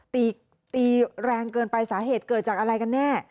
ตีตีแรงเกินไปสาเหตุเกิดจากอะไรกันแน่